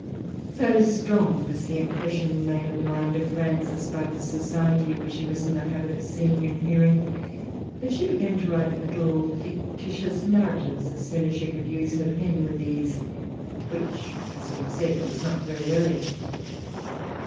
So strong was the impression made on the mind of Frances by the society which she was in the habit of seeing and hearing, that she began to write little fictitious narratives as soon as she could use her pen with ease, which, as we have said, was not very early.